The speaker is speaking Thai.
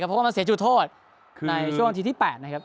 เพราะว่ามันเสียจุดโทษในช่วงนาทีที่๘นะครับ